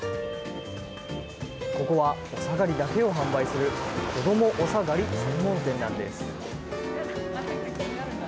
ここはお下がりだけを販売する子どもおさがり専門店なんです。